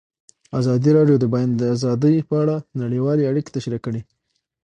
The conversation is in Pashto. ازادي راډیو د د بیان آزادي په اړه نړیوالې اړیکې تشریح کړي.